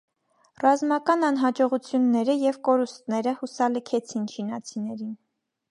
Ռազմական անհաջողությունները և կորուստները հուսալքեցին չինացիներին։